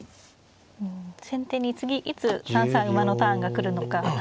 先手に次いつ３三馬のターンが来るのか。